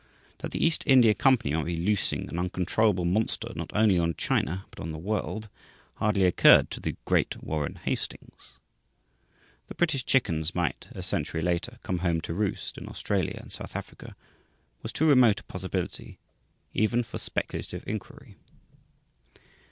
That the East India Company might be loosing an uncontrollable monster not only on China but on the world hardly occurred to the great Warren Hastings the British chickens might, a century later, come home to roost in Australia and South Africa was too remote a possibility even for speculative inquiry.